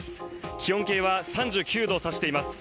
気温計は３９度を差しています。